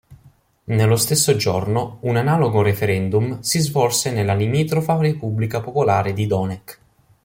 Nello stesso giorno un analogo referendum si svolse nella limitrofa Repubblica Popolare di Doneck.